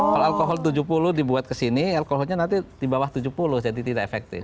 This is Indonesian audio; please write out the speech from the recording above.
kalau alkohol tujuh puluh dibuat ke sini alkoholnya nanti di bawah tujuh puluh jadi tidak efektif